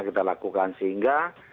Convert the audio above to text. kita lakukan sehingga